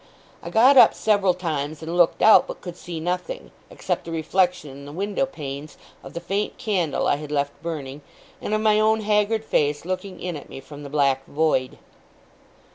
I got up, several times, and looked out; but could see nothing, except the reflection in the window panes of the faint candle I had left burning, and of my own haggard face looking in at me from the black void.